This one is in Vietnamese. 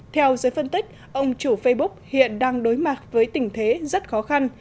theo giới phân tích ông chủ facebook hiện đang đối mặt với tình thế rất khó khăn